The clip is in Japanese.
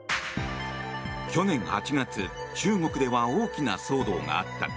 去年８月中国では大きな騒動があった。